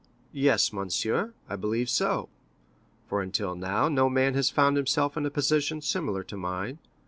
"Yes, monsieur, I believe so; for until now, no man has found himself in a position similar to mine.